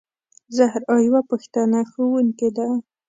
زهرا یوه پښتنه ښوونکې ده.